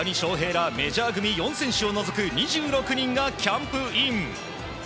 らメジャー組４選手を除く２６人がキャンプイン。